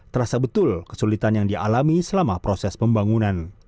terasa betul kesulitan yang dialami selama proses pembangunan